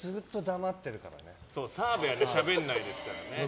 澤部はしゃべんないですから。